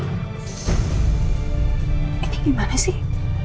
ini gimana sih